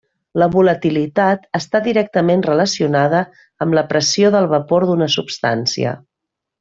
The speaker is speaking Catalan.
La volatilitat està directament relacionada amb la pressió de vapor d'una substància.